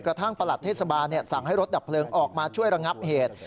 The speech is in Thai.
กระทั่งประหลัดเทศบาลสั่งให้รถดับเพลิงออกมาช่วยระงับเหตุ